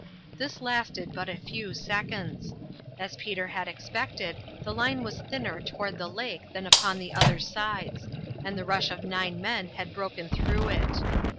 This lasted but a few seconds. As Peter had expected, the line was thinner toward the lake than upon the other sides, and the rush of nine men had broken through it.